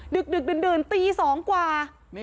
ดึกดื่นตี๒กว่า